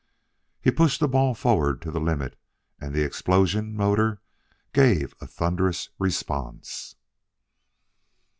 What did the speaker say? He pushed the ball forward to the limit, and the explosion motor gave thunderous response.